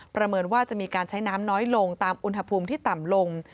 เมินว่าจะมีการใช้น้ำน้อยลงตามอุณหภูมิที่ต่ำลง